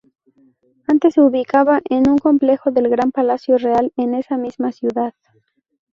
Antes se ubicaba en un complejo del Gran Palacio Real en esa misma ciudad.